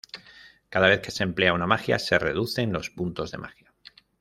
Cada vez que se emplea una magia, se reducen los puntos de magia.